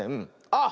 あっ！